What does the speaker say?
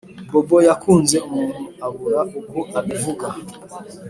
bobo yakunze umuntu abura uko abivuga